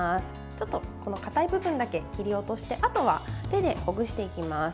ちょっとかたい部分だけ切り落としてあとは手でほぐしていきます。